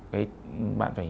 cái bạn phải